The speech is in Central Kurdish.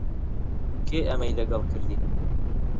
کێ ئەمەی لەگەڵ کردی؟